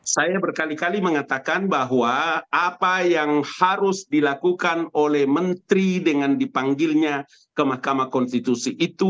saya berkali kali mengatakan bahwa apa yang harus dilakukan oleh menteri dengan dipanggilnya ke mahkamah konstitusi itu